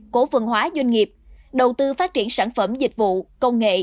cố phần hóa doanh nghiệp đầu tư phát triển sản phẩm dịch vụ công nghệ